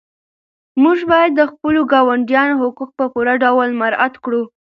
موږ باید د خپلو ګاونډیانو حقوق په پوره ډول مراعات کړو.